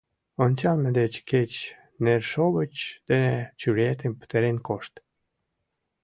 Ончалме деч кеч нершовыч дене чуриетым петырен кошт.